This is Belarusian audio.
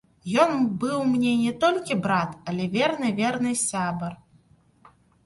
Ён быў мне не толькі брат, але верны-верны сябар.